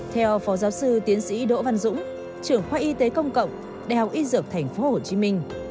theo phó giáo sư tiến sĩ đỗ văn dũng trưởng khoa y tế công cộng đại học y dược tp hcm